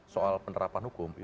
soal penerapan hukum